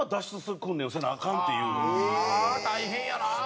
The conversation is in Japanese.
大変やな！